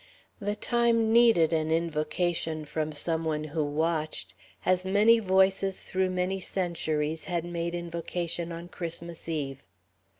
The time needed an invocation from some one who watched, as many voices, through many centuries, had made invocation on Christmas Eve.